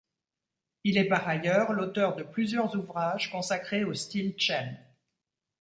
Il est par ailleurs l'auteur de plusieurs ouvrages consacrés au style Chen.